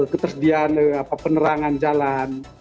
ketersediaan penerangan jalan